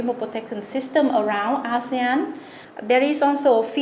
cơ hội truyền thông asean đã được di cập